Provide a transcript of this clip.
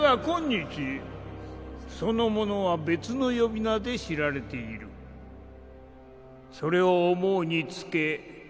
今日その者は別の呼び名で知られているそれを思うにつけ